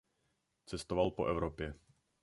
Cestoval po Evropě.